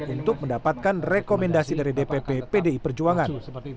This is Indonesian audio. untuk mendapatkan rekomendasi dari dpp pdi perjuangan